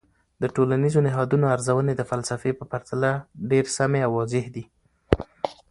د ټولنیزو نهادونو ارزونې د فلسفې په پرتله ډیر سمی او واضح دي.